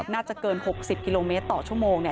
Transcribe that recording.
น่าจะเกิน๖๐กิโลเมตรต่อชั่วโมง